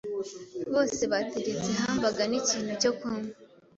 Bose bategetse hamburger n'ikintu cyo kunywa.